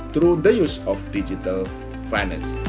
terutama melalui penggunaan finansial digital